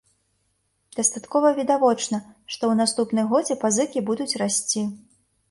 Дастаткова відавочна, што ў наступным годзе пазыкі будуць расці.